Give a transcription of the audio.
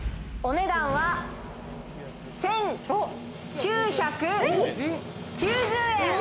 お値段は１９９０円！